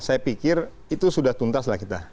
saya pikir itu sudah tuntas lah kita